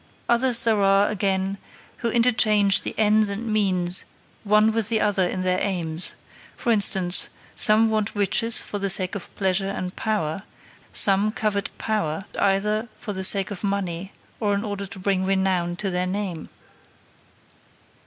Others there are, again, who interchange the ends and means one with the other in their aims; for instance, some want riches for the sake of pleasure and power, some covet power either for the sake of money or in order to bring renown to their name.